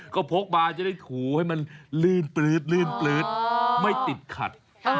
ก็พกมาจะได้ขูให้มันลื่นปลื๊ดไม่ติดขัด